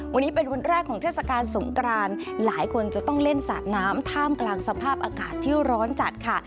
วันนี้เป็นวันแรกของเทศกาลสงกรานหลายคนจะต้องเล่นสาดน้ำท่ามกลางสภาพอากาศที่ร้อนจัดค่ะ